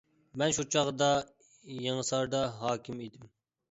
مەن شۇ چاغدا يېڭىساردا ھاكىم ئىدىم.